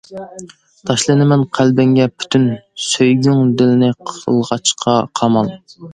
تاشلىنىمەن قەلبىڭگە پۈتۈن، سۆيگۈڭ دىلنى قىلغاچقا قامال.